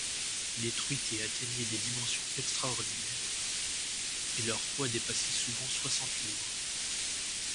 Les truites y atteignaient des dimensions extraordinaires, et leur poids dépassait souvent soixante livres.